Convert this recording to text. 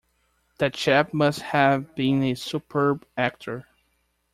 That chap must have been a superb actor.